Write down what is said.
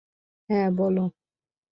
হ্যাঁ, বল।